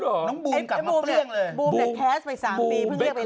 อ๋อหรอน้องบูมกลับมาเปลี่ยนเลยบูมเนี่ยแทสไปสามปีเพิ่งเลือกไปเล่น